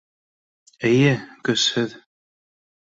Эйе, көсһөҙ.